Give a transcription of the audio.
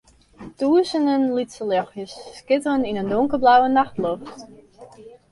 Tûzenen lytse ljochtsjes skitteren yn in donkerblauwe nachtloft.